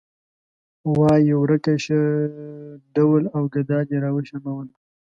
وایې ورک شه ډول او ګډا دې راوشرموله.